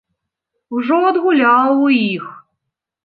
Ужо адгуляў у іх.